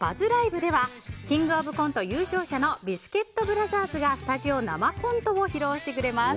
ではキングオブコント優勝者のビスケットブラザーズがスタジオ生コントを披露してくれます。